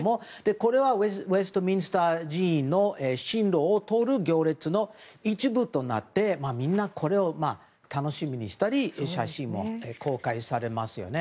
これはウェストミンスター寺院の身廊を通る行列の一部となってみんな、これを楽しみにしたり写真も公開されますよね。